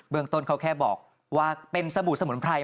เมืองต้นเขาแค่บอกว่าเป็นสบู่สมุนไพร